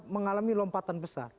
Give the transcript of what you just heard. mengalami lompatan besar